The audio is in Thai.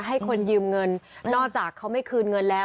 ให้คนยืมเงินนอกจากเขาไม่คืนเงินแล้ว